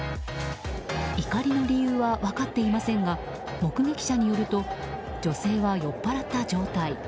怒りの理由は分かっていませんが目撃者によると女性は酔っぱらった状態。